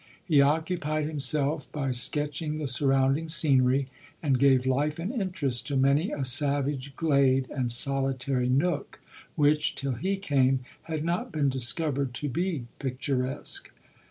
He occupied himself by sketching the surround ing scenery, and gave life and interest to many a savage glade and solitary nook, which, till he came, had not been discovered to be picturesque.